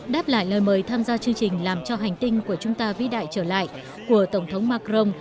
đáp lại lời mời tham gia chương trình làm cho hành tinh của chúng ta vĩ đại trở lại của tổng thống macron